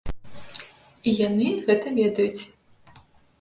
І яны гэта ведаюць.